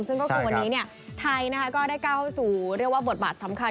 วันนี้ไทยได้เข้าสู่บทบาทสำคัญ